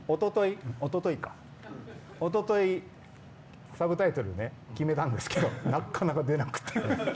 今回、次のも、おとといサブタイトル決めたんですけどなかなか出なくって。